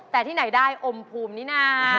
แต่ที่ไหนได้อมภูมินี่นะ